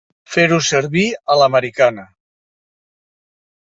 Fer-ho servir a l'americana.